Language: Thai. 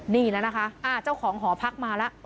นี่แล้วนะคะเจ้าของหอพักมาแล้ว